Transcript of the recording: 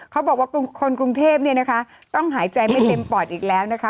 เขาบอกว่าคนกรุงเทพต้องหายใจไม่เต็มป่อนด์อีกแล้วนะคะ